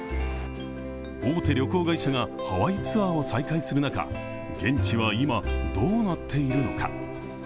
大手旅行会社がハワイツアーを再開する中、現地は今、どうなっているのか。